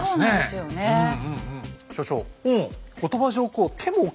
うん。